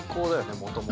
もともと。